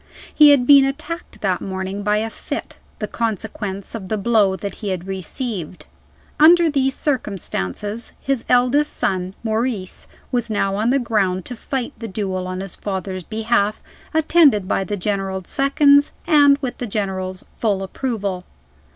He had been attacked that morning by a fit the consequence of the blow that he had received. Under these circumstances, his eldest son (Maurice) was now on the ground to fight the duel on his father's behalf; attended by the General's seconds, and with the General's full approval.